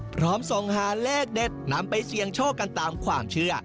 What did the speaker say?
พร้อมส่งหาเลขเด็ดนำไปเสี่ยงโชคกันตามความเชื่อ